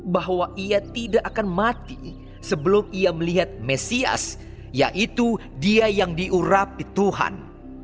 bahwa ia tidak akan mati sebelum ia melihat mesias yaitu dia yang diurapi tuhan